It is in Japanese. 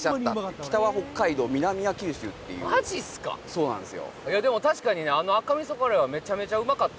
そうなんですよ